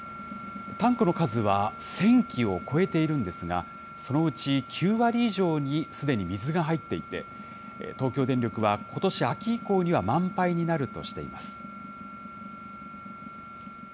タンクの数は、１０００基を超えているんですが、そのうち９割以上にすでに水が入っていて、東京電力は、ことし秋以降には満杯になるとしています。